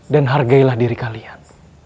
dan hargailah diri kalian